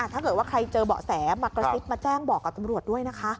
ถ้าเกิดว่าใครเจอเบาะแสมากระซิบมาแจ้งบอกกับตำรวจด้วยนะคะ